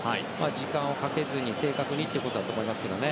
時間をかけずに、正確にってことだと思いますけどね。